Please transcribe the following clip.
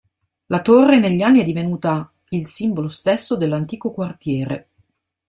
La torre negli anni è divenuta il simbolo stesso dell'antico quartiere.